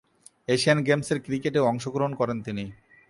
Asian গেমসের ক্রিকেটে অংশগ্রহণ করেন তিনি।